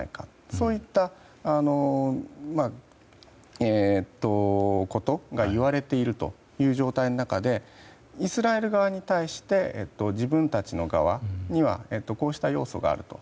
そういったことがいわれている状態の中でイスラエル側に対して自分たちの側にはこうした要素があると。